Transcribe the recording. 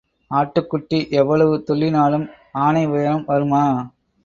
ஆட்டுக்குட்டி எவ்வளவு துள்ளினாலும் ஆனைஉயரம் வருமா?